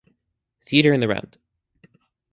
Theatre in the round